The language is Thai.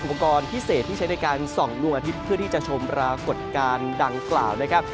อุปกรณ์พิเศษที่ใช้ในการ๒ลวงอาทิตย์เพื่อที่จะชมประกดการดังกล่าวนะครับ